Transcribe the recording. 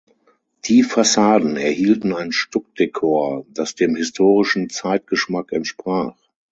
Die Fassaden erhielten ein Stuckdekor, das dem historischen Zeitgeschmack entsprach.